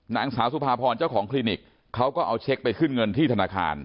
นางสาวสุภาพรเจ้าของคลินิกเขาก็เอาเช็คไปขึ้นเงินที่ธนาคาร